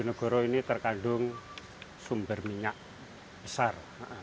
bojonegoro ini terkandung sumber minyak besar